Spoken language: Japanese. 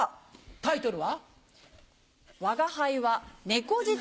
タイトルは？